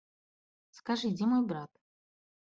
Скажы, дзе мой брат?